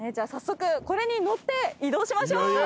早速これに乗って移動しましょう。